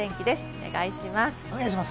お願いします。